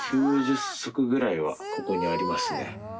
９０足ぐらいは常にありますね。